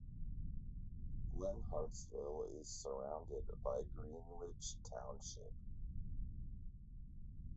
Lenhartsville is surrounded by Greenwich Township.